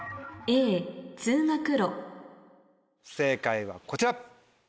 正解はこちら。